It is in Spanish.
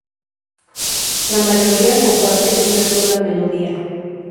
La mayoría comparten una sola melodía.